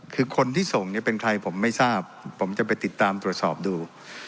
คือคนที่ส่งเนี่ยเป็นใครผมไม่ทราบผมจะไปติดตามตรวจสอบดู